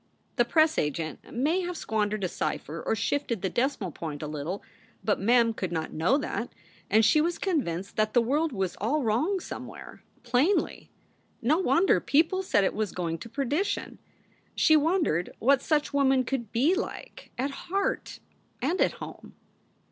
The press agent may have squandered a cipher or shifted the decimal point a little, but Mem could not know that, and she was convinced that the world was all wrong some where. Plainly. No wonder people said it was going to perdition. She wondered what such women could be like at heart and at home.